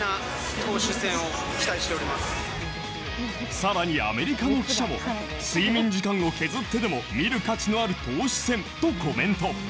更に、アメリカの記者も睡眠時間を削ってでも見る価値のある投手戦とコメント。